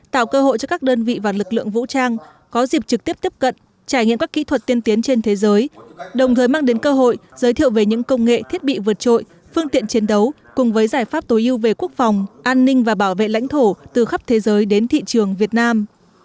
tạo cơ hội cho các đơn vị và lực lượng vũ trang có dịp trực tiếp tiếp cận trải nghiệm các kỹ thuật tiên tiến trên thế giới đồng thời mang đến cơ hội giới thiệu về những công nghệ thiết bị vượt trội phương tiện chiến đấu cùng với giải pháp tối ưu về quốc phòng an ninh và bảo vệ lãnh thổ từ khắp thế giới đến thị trường việt nam